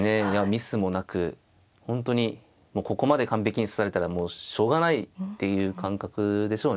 ミスもなく本当にもうここまで完璧に指されたらしょうがないっていう感覚でしょうね西山さんね。